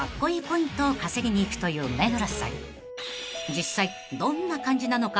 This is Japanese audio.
［実際どんな感じなのか